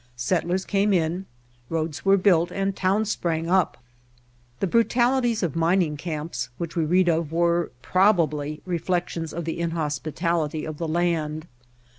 Settlers came in, roads were built and towns sprang up. The brutalities of mining camps which we read of were probably reflections of the inhospitality of the land.